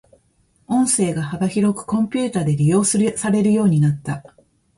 音声が幅広くコンピュータで利用されるようになった。